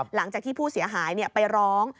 หลังจากที่ผู้เสียหายไปร้อง